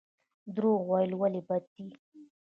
درواغ ویل ولې بد دي؟